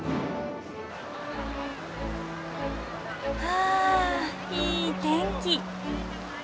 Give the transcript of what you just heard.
あいい天気。